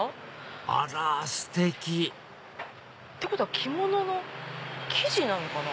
あらステキ！ってことは着物の生地なのかな？